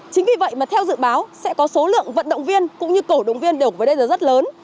chính vì vậy mà theo dự báo sẽ có số lượng vận động viên cũng như cổ động viên đều có vấn đề rất lớn